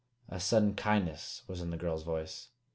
A sudden kindness was in the girl's voice.